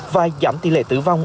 và giảm tỷ lệ tử vong